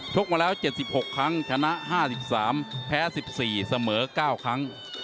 กมาแล้ว๗๖ครั้งชนะ๕๓แพ้๑๔เสมอ๙ครั้ง